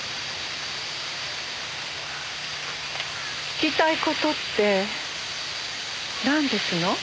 聞きたい事ってなんですの？